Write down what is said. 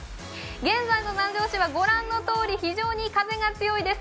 現在の南城市はご覧のとおり非常に風が強いです。